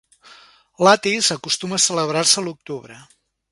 "Lattice" acostuma a celebrar-se a l'octubre.